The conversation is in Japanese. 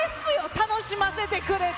楽しませてくれて。